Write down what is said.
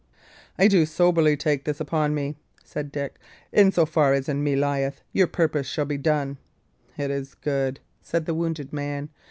"I do soberly take this up on me," said Dick. "In so far as in me lieth, your purpose shall be done." "It is good," said the wounded man.